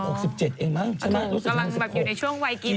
กำลังอยู่ในช่วงวัยกิน